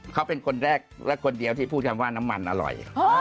เขาเป็นคนแรกและคนเดียวที่พูดคำว่าน้ำมันอร่อย